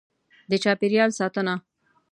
. د چاپېریال ساتنه: